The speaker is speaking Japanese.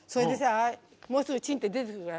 もうすぐチンって出てくるから。